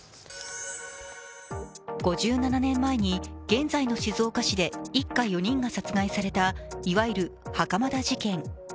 ５７年前に現在の静岡市で一家４人が殺害されたいわゆる袴田事件。